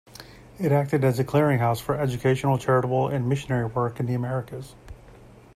It acted as a clearinghouse for educational, charitable, and missionary work in the Americas.